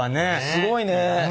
すごいね。